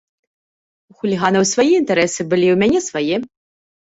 У хуліганаў свае інтарэсы былі, у мяне свае.